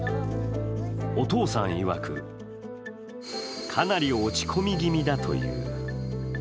お父さんいわく、かなり落ち込み気味だという。